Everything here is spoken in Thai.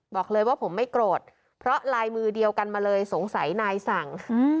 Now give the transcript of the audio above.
บอกเลยว่าผมไม่โกรธเพราะลายมือเดียวกันมาเลยสงสัยนายสั่ง